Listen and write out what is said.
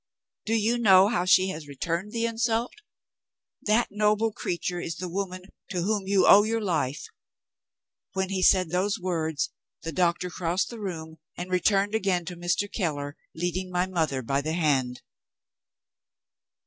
Do you know how she has returned the insult? That noble creature is the woman to whom you owe your life.' When he had said those words, the doctor crossed the room, and returned again to Mr. Keller, leading my mother by the hand."